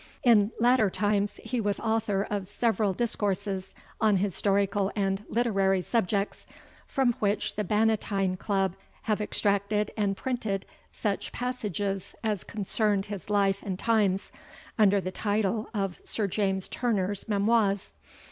In latter times, he was author of several discourses on historical and literary subjects, from which the Bannatyne Club have extracted and printed such passages as concern his Life and Times, under the title of SIR JAMES TURNER'S MEMOIRS.